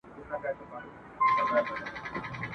نن به دي سېل د توتکیو تر بهاره څارې ..